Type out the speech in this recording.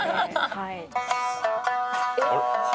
「はい？」